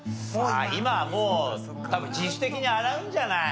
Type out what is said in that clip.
今はもう多分自主的に洗うんじゃない？